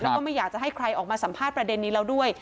แล้วก็ไม่อยากจะให้ใครออกมาสัมภาษณ์ประเด็นนี้แล้วด้วย